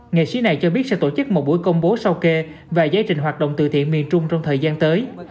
nghệ sĩ này cho biết sẽ tổ chức một buổi công bố sau kê và giải trình hoạt động từ thiện miền trung trong thời gian tới